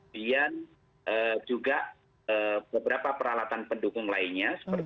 kemudian juga beberapa peralatan pendukung lainnya